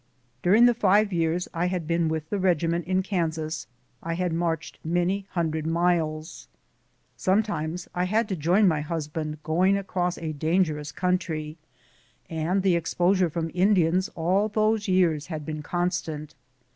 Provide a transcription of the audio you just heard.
During the live years I had been with the regiment in Kansas I had marched many hundred miles. Sometimes I had to join my husband going across a dangerous country, and the exposure from Indians all those years had been con 4 74 BOOTS AND SADDLES. etant.